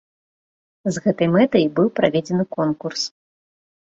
З гэтай мэтай быў праведзены конкурс.